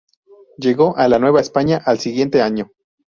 Llegó a la Nueva España al siguiente año.